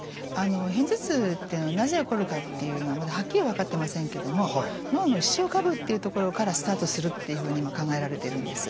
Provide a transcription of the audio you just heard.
片頭痛っていうのがなぜ起こるかっていうのはまだはっきり分かってませんけども脳の視床下部っていうところからスタートするっていうふうに考えられているんです。